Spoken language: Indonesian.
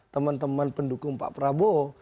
teman teman pendukung pak prabowo